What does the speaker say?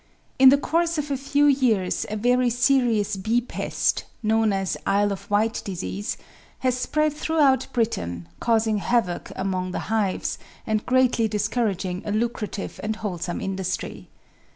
In the course of a few years a very serious bee pest, known as Isle of Wight disease, has spread throughout Britain, causing havoc among the hives, and greatly discouraging a lucrative and wholesome industry.